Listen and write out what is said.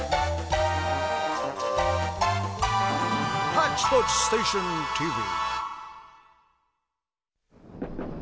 「ハッチポッチステーションＴＶ」。